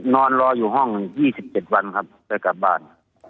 นอนรออยู่ห้อง๒๗วันครับจะกลับบ้าน